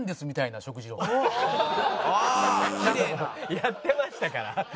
やってましたから。